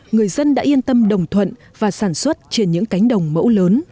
người dân đã yên tâm đồng thuận và sản xuất trên những cánh đồng mẫu lớn